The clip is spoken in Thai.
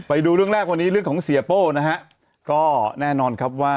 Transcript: ไปดูเรื่องแรกวันนี้เรื่องของเสียโป้นะฮะก็แน่นอนครับว่า